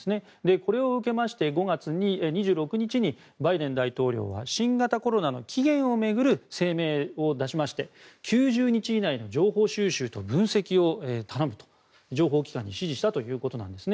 これを受けまして５月２６日にバイデン大統領は新型コロナの起源を巡る声明を出しまして９０日以内に情報収集と分析を頼むと情報機関に指示したということなんです。